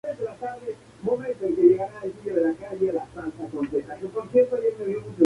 Marcelo es hijo de padre chileno y madre portuguesa, ambos radicados en Alemania.